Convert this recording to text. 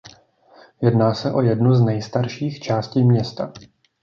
Jedná se o jednu z nejstarších částí města.